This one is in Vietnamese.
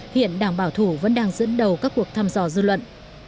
hiện đảng bảo thủ vẫn đang dẫn đầu các cuộc thăm dò dư luận